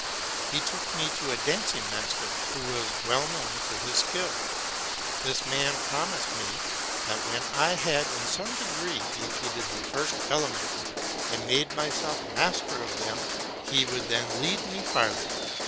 He took me to a dancing master, who was well known for his skill. This man promised me, that, when I had in some degree repeated the first elements and made myself master of them, he would then lead me farther.